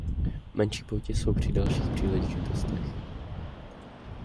Menší poutě jsou při dalších příležitostech.